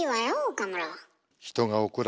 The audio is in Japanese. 岡村。